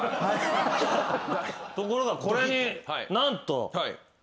ところがこれに何と。